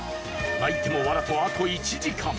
泣いても笑ってもあと１時間。